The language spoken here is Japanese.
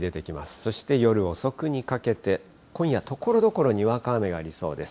そして夜遅くにかけて、今夜、ところどころにわか雨がありそうです。